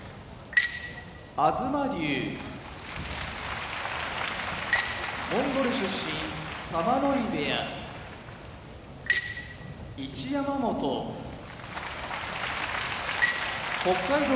東龍モンゴル出身玉ノ井部屋一山本北海道